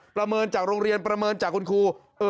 ประเมินจากโรงเรียนประเมินจากคุณครู